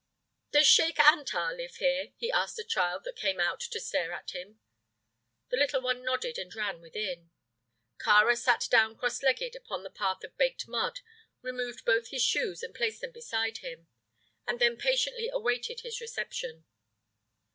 "Does Sheik Antar live here?" he asked a child that came out to stare at him. The little one nodded and ran within. Kāra sat down cross legged upon the path of baked mud, removed both his shoes and placed them beside him, and then patiently awaited his reception.